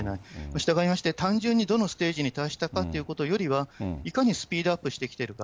したがいまして、単純にどのステージに達したかということよりは、いかにスピードアップしてきているか。